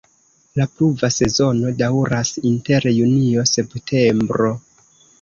La pluva sezono daŭras inter junio-septembro.